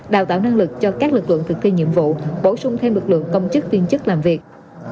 đào tạo năng lực cho các lực lượng thực thi nhiệm vụ bổ sung thêm lực lượng công chức viên chức làm việc